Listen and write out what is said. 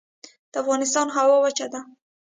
د افغانستان هوا وچه ده